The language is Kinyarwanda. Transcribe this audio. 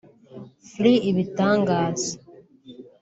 fr ibitangaza